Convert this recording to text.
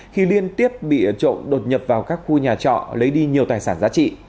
khi liên tiếp bị trộm đột nhập vào các khu nhà trọ lấy đi nhiều tài sản giá trị